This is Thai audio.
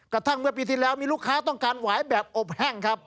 กระทั่งเมื่อปีที่แล้วมีลูกค้าต้องการหวายแบบอบแห้งครับ